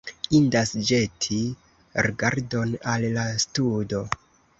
Indas ĵeti rigardon al la studo.